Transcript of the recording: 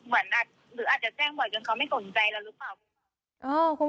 หรืออาจจะแจ้งบ่อยจนเขาไม่สนใจเราหรือเปล่า